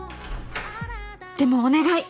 でもお願い